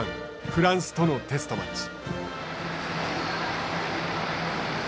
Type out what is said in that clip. フランスとのテストマッチ。